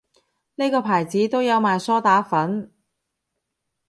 呢個牌子都有賣梳打粉